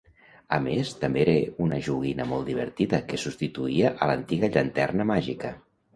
A més, també era una joguina molt divertida que substituïa a l'antiga llanterna màgica.